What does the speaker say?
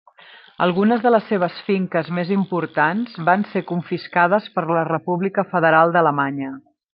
Algunes de les seves finques més importants van ser confiscades per la República Federal d'Alemanya.